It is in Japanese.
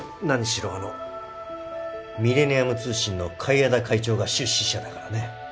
何しろあのミレニアム通信の海江田会長が出資者だからね。